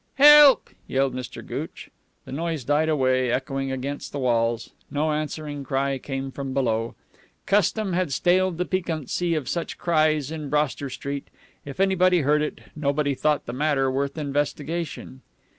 "Help!" yelled Mr. Gooch. The noise died away, echoing against the walls. No answering cry came from below. Custom had staled the piquancy of such cries in Broster Street. If anybody heard it, nobody thought the matter worth investigation.